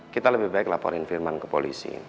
kita lebih baik laporin firman ke polisi